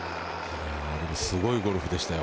すごいゴルフでしたよ